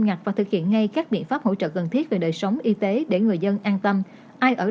ngạc và thực hiện ngay các biện pháp hỗ trợ cần thiết về đời sống y tế để người dân an tâm ai ở